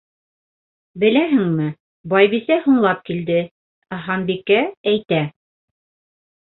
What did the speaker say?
Беләһеңме, Байбисә һуңлап килде, ә Ханбикә әйтә...